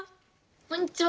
こんにちは！